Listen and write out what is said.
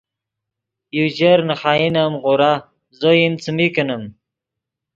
یو چر نے خائن ام غورا زو ایند څیمی کینیم